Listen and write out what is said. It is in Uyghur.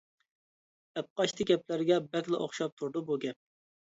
ئەپقاچتى گەپلەرگە بەكلا ئوخشاپ تۇرىدۇ بۇ گەپ.